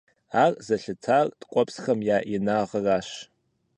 Ар зэлъытар ткӀуэпсхэм я инагъыращ.